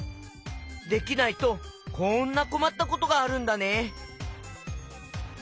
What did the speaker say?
できないとこんなこまったことがあるんだね。